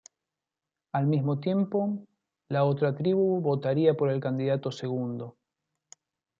Al mismo tiempo, la otra tribu votaría por el candidato segundo.